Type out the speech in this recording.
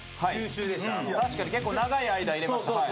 確かに結構長い間いれました。